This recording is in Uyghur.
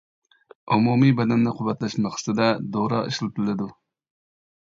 ئومۇمىي بەدەننى قۇۋۋەتلەش مەقسىتىدە دورا ئىشلىتىلىدۇ.